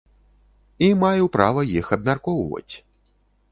І маю права іх абмяркоўваць.